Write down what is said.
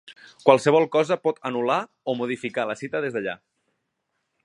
Qualsevol cosa pot anul·lar o modificar la cita des d'allà.